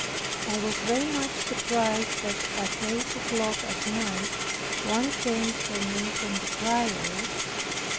I was very much surprised that at eight o'clock at night one came for me from the prioress.